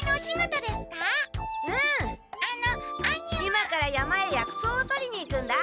今から山へ薬草をとりに行くんだ。